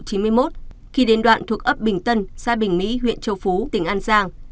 khi đến đoạn thuộc ấp bình tân xã bình mỹ huyện châu phú tỉnh an giang